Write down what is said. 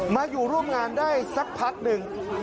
มาอยู่ร่วมงานได้สักพักหนึ่ง